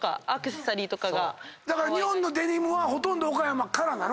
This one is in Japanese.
だから日本のデニムはほとんど岡山からなの？